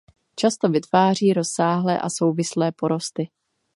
Často vytváří rozsáhlé a souvislé porosty.